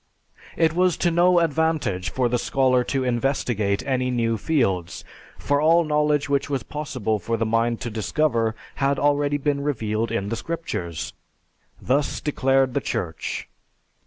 It was to no advantage for the scholar to investigate any new fields, for all knowledge which was possible for the mind to discover had already been revealed in the Scriptures. Thus declared the Church.